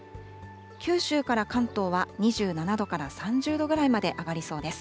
九州から関東は２７度から３０度ぐらいまで上がりそうです。